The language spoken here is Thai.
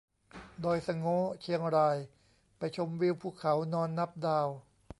ดอยสะโง้ เชียงราย ไปชมวิวภูเขา นอนนับดาว